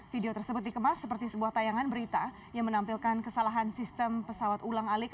video tersebut dikemas seperti sebuah tayangan berita yang menampilkan kesalahan sistem pesawat ulang alik